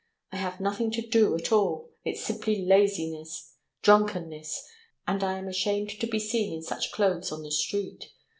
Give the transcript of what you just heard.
I have nothing to do at all, it's simply laziness, drunkenness, and I am ashamed to be seen in such clothes in the street.